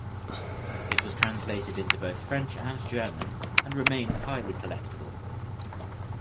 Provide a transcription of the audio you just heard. It was translated into both French and German and remains highly collectible.